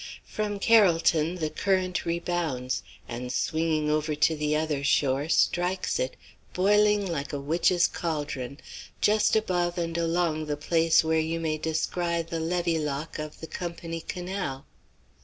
From Carrollton the current rebounds, and swinging over to the other shore strikes it, boiling like a witch's caldron, just above and along the place where you may descry the levee lock of the Company Canal.